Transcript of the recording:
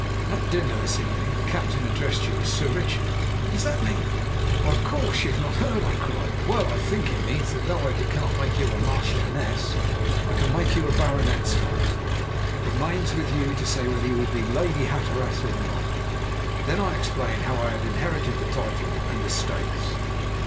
At dinner this evening the captain addressed you as Sir Richard. What does that mean?" "Why, of course you have not heard!" I cried. "Well, I think it means that though I cannot make you a marchioness, I can make you a baronet's wife. It remains with you to say whether you will be Lady Hatteras or not." Then I explained how I had inherited the title and estates.